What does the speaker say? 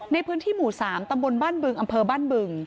ในพื้นที่หมู่๓ตำบลบ้านบึงอำเภอบ้านบึง